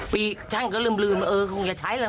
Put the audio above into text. ปีฉันก็ลืมเออคงจะใช้แล้วนะ